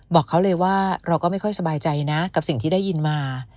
บอกเขาเลยว่าเราก็ไม่ค่อยสบายใจนะกับสิ่งที่ได้ยินมา